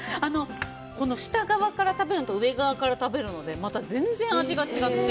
下側から食べるのと上側から食べるのでまた全然味が違って。